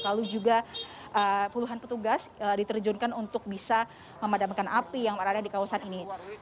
lalu juga puluhan petugas diterjunkan untuk bisa memadamkan api yang berada di kawasan ini